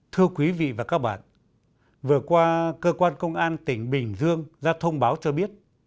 thưa quý vị và các bạn vừa qua cơ quan công an tỉnh bình dương ra thông báo cho biết